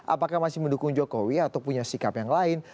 apakah masih mendukung jokowi atau punya sikap yang lain